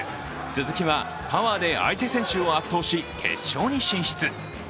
鈴木はパワーで相手選手を圧倒し決勝進出。